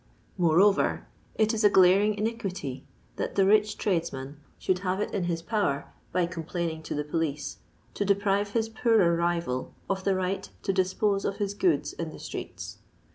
Moreover, it is a glaring iniquity that the rich tradesman should have it in his power, by complaining to the police, to deprive his poorer rival of the right to dispose of his goods in the streets.